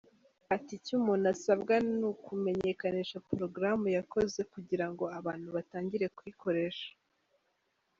Ati” Icyo umuntu asabwa ni ukumenyekanisha porogaramu yakoze kugira ngo abantu batangire kuyikoresha.